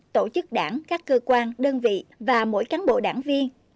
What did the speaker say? tổ chức đảng các cơ quan đơn vị và mỗi cán bộ đảng viên